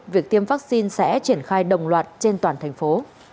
việc tiêm vaccine sẽ triển khai đồng loạt trên toàn thành phố